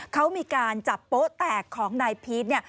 เขามีการจับโป๊ะแตกของนายพีชเนี่ย